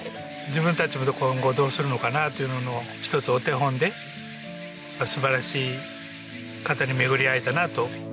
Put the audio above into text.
自分たちも今後どうするのかなというののひとつお手本で素晴らしい方に巡り合えたなと。